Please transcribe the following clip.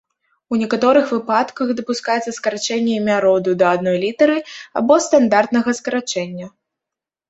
У некаторых выпадках дапускаецца скарачэнне імя роду да адной літары або стандартнага скарачэння.